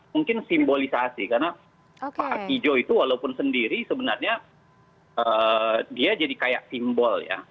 mungkin simbolisasi karena pak artijo itu walaupun sendiri sebenarnya dia jadi kayak simbol ya